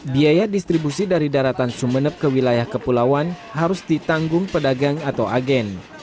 biaya distribusi dari daratan sumeneb ke wilayah kepulauan harus ditanggung pedagang atau agen